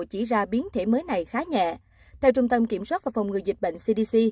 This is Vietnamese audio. chỉ ra biến thể mới này khá nhẹ theo trung tâm kiểm soát và phòng ngừa dịch bệnh cdc